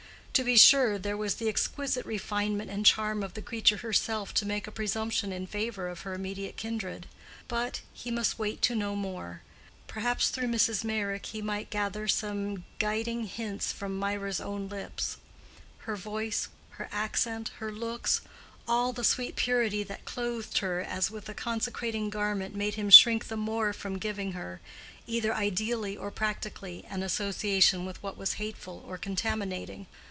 To be sure, there was the exquisite refinement and charm of the creature herself to make a presumption in favor of her immediate kindred, but—he must wait to know more: perhaps through Mrs. Meyrick he might gather some guiding hints from Mirah's own lips. Her voice, her accent, her looks—all the sweet purity that clothed her as with a consecrating garment made him shrink the more from giving her, either ideally or practically, an association with what was hateful or contaminating.